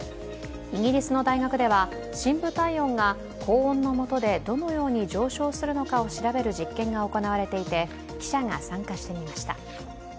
イギリスの大学では深部体温が高温のもとでどのように上昇するのかを調べる実験が行われていて記者が参加してみました。